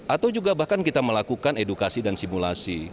atau juga bahkan kita melakukan edukasi dan simulasi